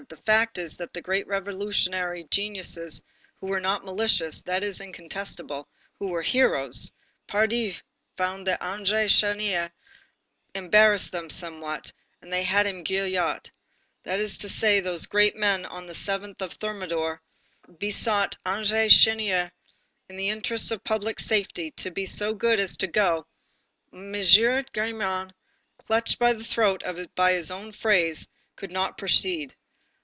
The fact is that the great revolutionary geniuses, who were not malicious, that is incontestable, who were heroes, pardi! found that André Chénier embarrassed them somewhat, and they had him guillot ... that is to say, those great men on the 7th of Thermidor, besought André Chénier, in the interests of public safety, to be so good as to go...." M. Gillenormand, clutched by the throat by his own phrase, could not proceed.